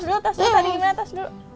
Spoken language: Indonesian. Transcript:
tadi gimana tas dulu tadi gimana tas dulu